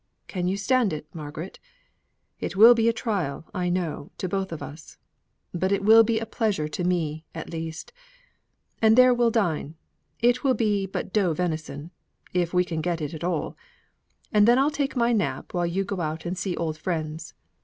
Can you stand it, Margaret? It will be a trial, I know, to both of us, but it will be a pleasure to me, at least. And there we'll dine it will be but doe venison, if we can get it at all and then I'll take my nap, while you go out and see old friends.